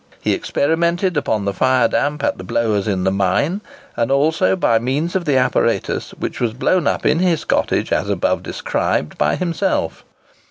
He experimented upon the fire damp at the blowers in the mine, and also by means of the apparatus which was blown up in his cottage, as above described by himself.